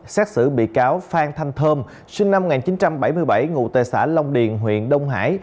xét xử bị cáo phan thanh thơm sinh năm một nghìn chín trăm bảy mươi bảy ngụ tệ xã long điền huyện đông hải